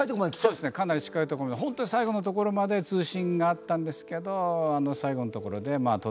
そうですねかなり近いところまで本当に最後のところまで通信があったんですけど最後のところで途絶えてしまったと。